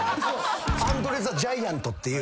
アンドレ・ザ・ジャイアントって。